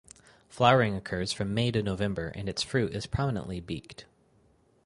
Flowering occurs from May to November and the fruit is prominently beaked.